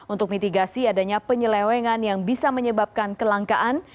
untuk mitigasi adanya penyelewengan yang bisa menyebabkan kelangkaan